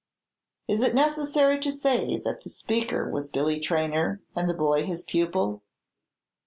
Is it necessary to say that the speaker was Billy Traynor, and the boy his pupil?